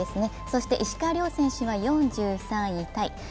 そして石川遼選手は４３位タイ。